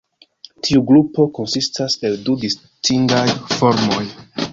Tiu grupo konsistas el du distingaj formoj.